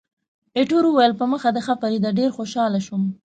ایټور وویل، په مخه دې ښه فریډه، ډېر خوشاله شوم.